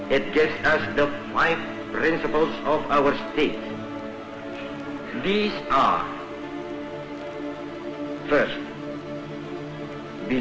itu memberi kita lima prinsip dari negara kita